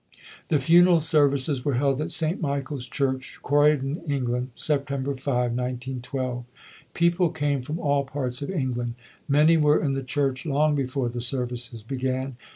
The funeral services were held at St. Michael's Church, Croydon, England, September 5, 1912. People came from all parts of England. Many were in the church long before the services began.